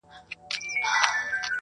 • انساني درد تر ټولو ژور دی..